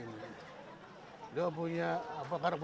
dia punya apakah punya karmah yang besar gitu